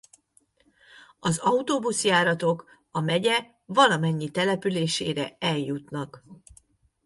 Az autóbuszjáratok a megye valamennyi településére eljutnak.